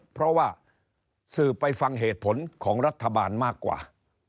เพราะว่าสื่อไปฟังเหตุผลของรัฐบาลมากกว่า